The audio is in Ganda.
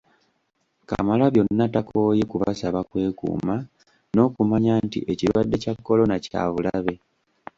Kamalabyonna takooye kubasaba kwekuuma n'okumanya nti ekirwadde kya Corona kya bulabe